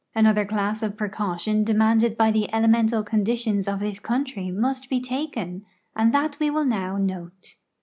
Another class of ])recaution demanded b\" the elemental conditions of this country must be taken, and that we will now note.